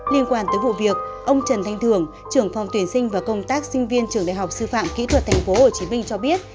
liên quan tới vụ việc ông trần thanh thường trưởng phòng tuyển sinh và công tác sinh viên trường đại học sư phạm kỹ thuật thành phố hồ chí minh cho biết